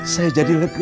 saya jadi lega